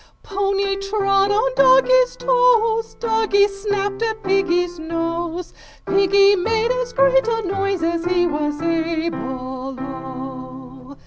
Pony trod on doggy's toes, Doggy snapped at piggy's nose, Piggy made as great a noise as he was able O!